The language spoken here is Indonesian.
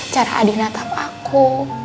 cara adi natap aku